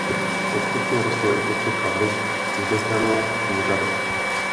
Postupně rostl i počet a vliv Tibeťanů v úřadech.